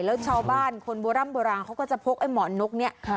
แล้วชาวบ้านคนโบร่ำโบราณเขาก็จะพกไอ้หมอนนกเนี่ย